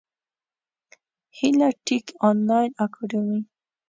هیله ټېک انلاین اکاډمي